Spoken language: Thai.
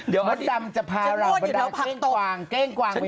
เดี๋ยวอาทิตย์มะดำจะพาเราบรรดาเก้งกวางไปหา